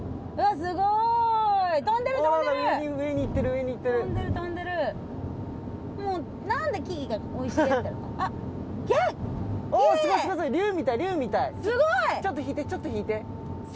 垢瓦ぁちょっと引いてちょっと引いて。